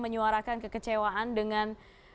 menyuarakan kekecewaan dengan